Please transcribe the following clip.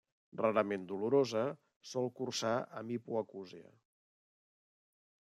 Rarament dolorosa, sol cursar amb hipoacúsia.